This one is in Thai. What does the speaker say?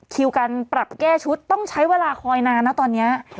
คิวการปรับแก้ชุดต้องใช้เวลาคอยนานนะตอนนี้